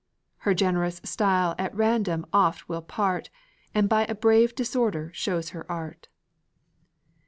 Her generous style at random oft will part, And by a brave disorder shows her art.